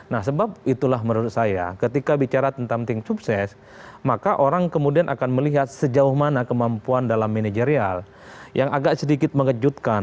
nah sebab itulah menurut saya ketika bicara tentang tim sukses maka orang kemudian akan melihat sejauh mana kemampuan dalam manajerial yang agak sedikit mengejutkan